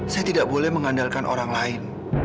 saya tidak boleh mengandalkan orang lain